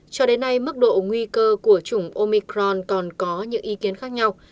cho đến nay mức độ nguy cơ của chủng omicron còn có những ý kiến khác nhau